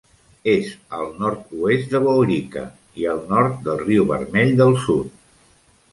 És al nord-oest de Waurika i al nord del riu Vermell del Sud.